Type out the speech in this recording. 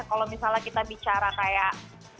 kalau misalnya kita bicara kayak